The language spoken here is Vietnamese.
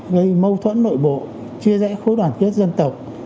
gây mâu thuẫn nội bộ chia rẽ khối đoàn kết dân tộc